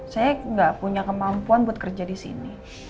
saya gak punya kemampuan buat kerja disini